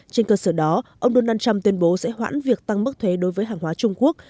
trên cơ sở đó ông donald trump tuyên bố sẽ hoãn việc tăng mức thuế đối với hàng hóa trung quốc